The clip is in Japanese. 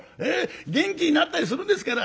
元気になったりするんですから。